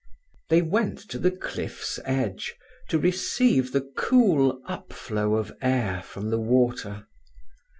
They went to the cliff's edge, to receive the cool up flow of air from the water.